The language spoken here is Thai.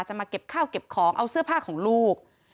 มาเก็บข้าวเก็บของเอาเสื้อผ้าของลูก